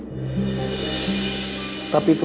bukan itu yang saya inginkan